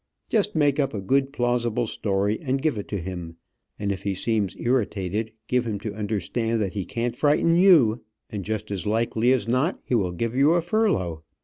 Just make up a good, plausible story, and give it to him, and if he seems irritated, give him to understand that he can t frighten you, and just as likely as not he will give you a furlough.